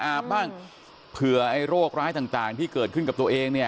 อาบบ้างเผื่อไอ้โรคร้ายต่างที่เกิดขึ้นกับตัวเองเนี่ย